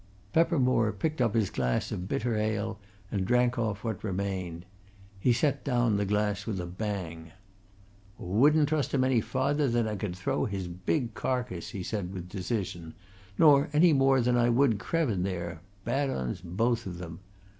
Peppermore picked up his glass of bitter ale and drank off what remained. He set down the glass with a bang. "Wouldn't trust him any farther than I could throw his big carcase!" he said with decision. "Nor any more than I would Krevin there bad 'uns, both of 'em.